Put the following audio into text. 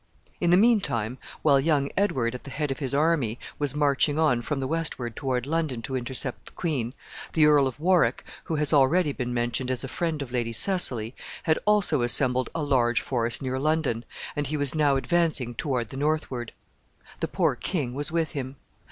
In the mean time, while young Edward, at the head of his army, was marching on from the westward toward London to intercept the queen, the Earl of Warwick, who has already been mentioned as a friend of Lady Cecily, had also assembled a large force near London, and he was now advancing toward the northward. The poor king was with him.